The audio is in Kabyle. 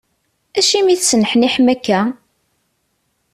Acimi i tesneḥniḥem akka?